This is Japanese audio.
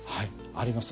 あります。